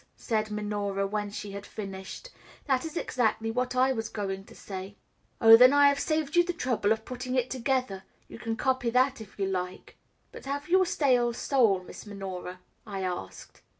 said Minora, when she had finished. "That is exactly what I was going to say." "Oh, then I have saved you the trouble of putting it together; you can copy that if you like." "But have you a stale soul, Miss Minora?" I asked.